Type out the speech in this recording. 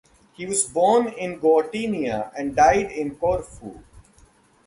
He was born in Gortynia and died in Corfu.